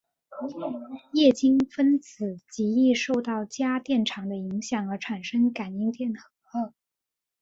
液晶分子极易受外加电场的影响而产生感应电荷。